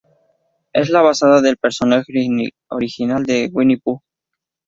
Es la basada del Personaje Original de Winnie the Pooh.